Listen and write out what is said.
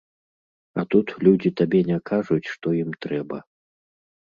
А тут людзі табе не кажуць, што ім трэба.